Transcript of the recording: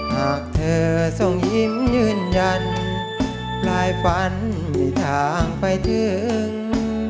หากเธอทรงยิ้มยืนยันปลายฝันในทางไปถึง